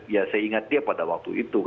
ya saya ingat dia pada waktu itu